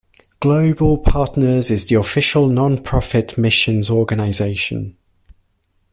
Global Partners is the official nonprofit missions organization.